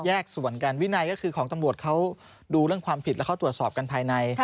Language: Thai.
ส่วนกันวินัยก็คือของตำรวจเขาดูเรื่องความผิดแล้วเขาตรวจสอบกันภายใน